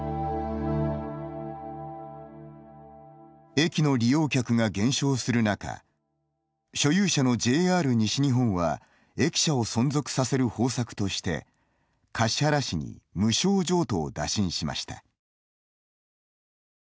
駅の利用客が減少する中所有者のＪＲ西日本は駅舎を存続させる方策として橿原市に無償譲渡を打診しました。